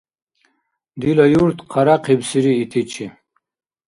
Дила юрт хъаряхъибсири итичи.